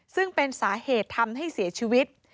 ซึ่งเป็นสาเหตุทำให้เสียชีวิต